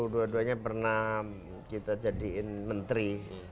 dua duanya pernah kita jadiin menteri